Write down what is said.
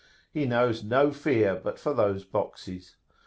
He knows no fear but for those boxes.